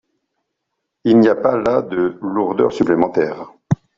Il n’y a pas là de lourdeur supplémentaire.